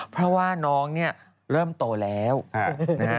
เพราะว่าน้องเนี่ยเริ่มโตแล้วนะฮะ